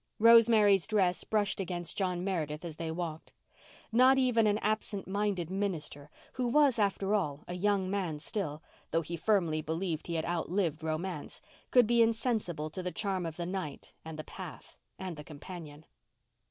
Rosemary's dress brushed against John Meredith as they walked. Not even an absent minded minister, who was after all a young man still, though he firmly believed he had outlived romance, could be insensible to the charm of the night and the path and the companion.